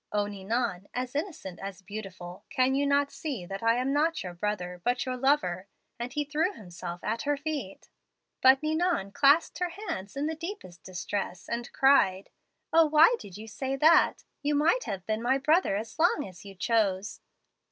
'O Ninon, as innocent as beautiful, can you not see that I am not your brother, but your lover?' and he threw himself at her feet. "But Ninon clasped her hands in the deepest distress, and cried, 'O, why did you say that? You might have been my brother as long as you chose.